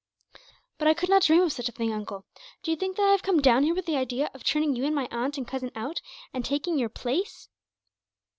"But I could not dream of such a thing, uncle. Do you think that I have come down here with the idea of turning you and my aunt and cousin out, and taking your place?